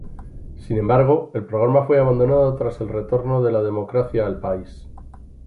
Sin embargo, el programa fue abandonado tras el retorno de la democracia al país.